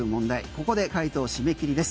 ここで回答締め切りです。